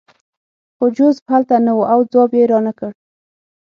خو جوزف هلته نه و او ځواب یې رانکړ